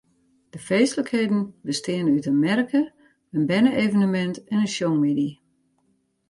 De feestlikheden besteane út in merke, in berne-evenemint en in sjongmiddei.